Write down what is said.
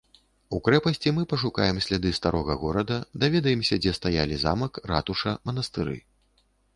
У крэпасці мы пашукаем сляды старога горада, даведаемся, дзе стаялі замак, ратуша, манастыры.